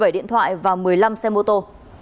một mươi bảy điện thoại và một mươi năm xe mô tô